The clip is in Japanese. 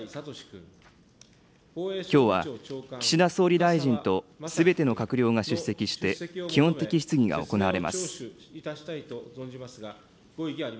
きょうは岸田総理大臣とすべての閣僚が出席して、基本的質疑が行われます。